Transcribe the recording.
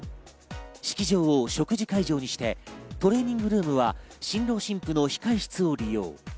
式場を食事会場にして、トレーニングルームは新郎新婦の控え室を利用。